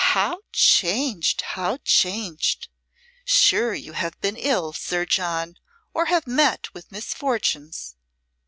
"How changed! how changed! Sure you have been ill, Sir John, or have met with misfortunes."